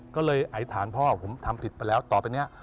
ก็เลยอธิษฐานพ่อผมทำผิดไปแล้วต่อไปเนี่ย